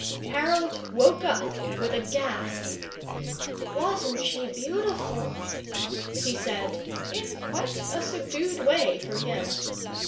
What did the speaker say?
Harold woke up with a gasp. "Wasn't she beautiful?" he said, in quite a subdued way for him.